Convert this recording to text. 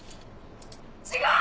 違う‼